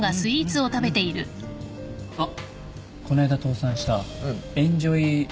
あっこの間倒産したエンジョイ。